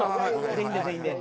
全員で、全員で。